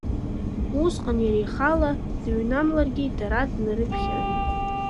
Усҟан, иара ихала дыҩнамларгьы, дара днарыԥхьарын…